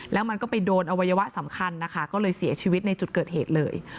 แล้วมันก็ไปโดนอวัยวะสำคัญนะคะก็เลยเสียชีวิตในจุดเกิดเหตุเลย